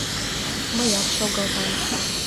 Мыят шогылтам.